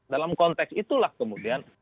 dalam konteks itulah kemudian